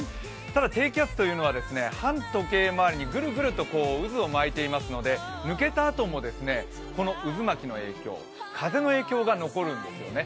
ただ低気圧というのは反時計回りにぐるぐると渦を巻いていますので抜けたあともですね、この渦巻きの影響、風の影響が残るんですよね。